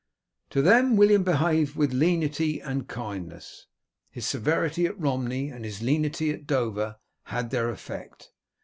To them William behaved with lenity and kindness. His severity at Romney and his lenity at Dover had their effect.